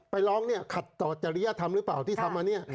ไปร้องขัดต่อจริยธรรมหรือเปล่าที่ทำอันนี้